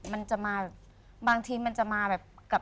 มันจะมาแบบบางทีมันจะมาแบบ